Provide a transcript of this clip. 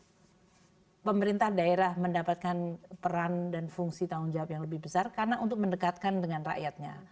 karena pemerintah daerah mendapatkan peran dan fungsi tanggung jawab yang lebih besar karena untuk mendekatkan dengan rakyatnya